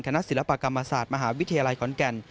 ศิลปกรรมศาสตร์มหาวิทยาลัยขอนแก่น